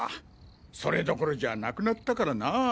それどころじゃなくなったからなぁ。